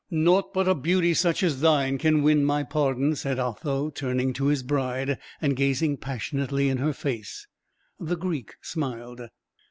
"Nought but a beauty such as thine can win my pardon," said Otho, turning to his bride, and gazing passionately in her face. The Greek smiled.